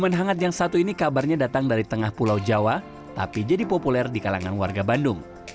momen hangat yang satu ini kabarnya datang dari tengah pulau jawa tapi jadi populer di kalangan warga bandung